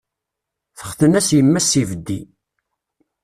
Texten-as imma-s s ibeddi.